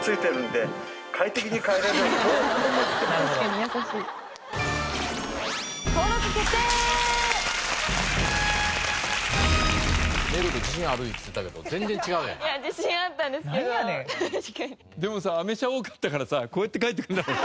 でもさアメ車多かったからさこうやって帰ってくるんだろうね。